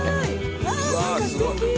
何かすてき。